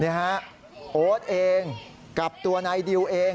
นี่ครับโอ๊ตเองกับตัวในดิวเอง